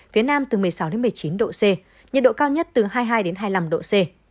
phía nam từ một mươi sáu một mươi chín độ c nhiệt độ cao nhất từ hai mươi hai đến hai mươi năm độ c